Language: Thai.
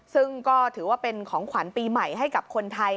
ซึ่งก็ถือว่าเป็นของขวัญปีใหม่ให้กับคนไทย